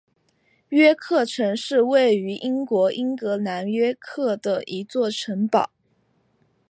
约克城是位于英国英格兰约克的一座城堡。